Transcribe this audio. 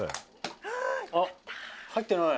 「あっ入ってない」